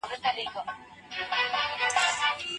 د خپلي خولې اوبه كه